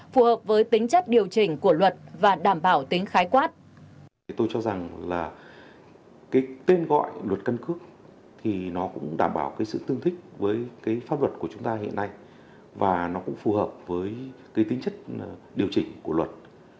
phù hợp với tính chất điều chỉnh của luật và đảm bảo tính khái quát